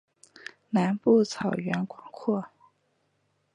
南部草原广阔。